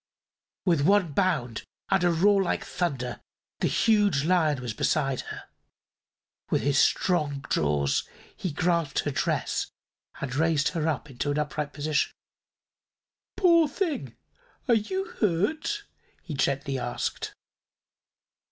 With one bound and a roar like thunder the huge Lion was beside her. With his strong jaws he grasped her dress and raised her into an upright position. "Poor thing! Are you hurt?" he gently asked.